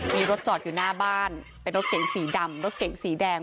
มีรถจอดอยู่หน้าบ้านเป็นรถเก๋งสีดำรถเก๋งสีแดง